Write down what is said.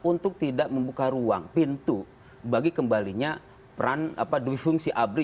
untuk tidak membuka ruang pintu bagi kembalinya peran dui fungsi abri